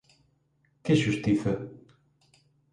¿Que xustiza?